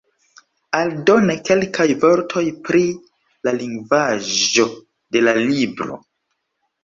Aldone kelkaj vortoj pri la lingvaĵo de la libro.